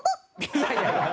いやいや。